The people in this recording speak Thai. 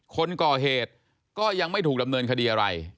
คนก่อเหตุก็ยังไม่ถูกดำเนินคดีอะไร